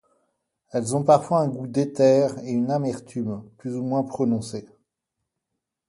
Elles ont parfois un goût d'éther et une amertume plus ou moins prononcée.